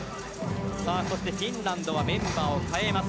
そしてフィンランドはメンバーを代えます。